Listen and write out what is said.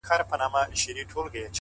هره هڅه د بریا پر لور ګام دی؛